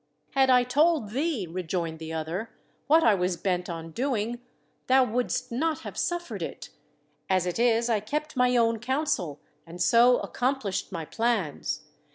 "Had I told thee," rejoined the other, "what I was bent on doing, thou wouldst not have suffered it; as it is, I kept my own counsel, and so accomplished my plans.